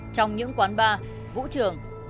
trong những quán bar vũ trường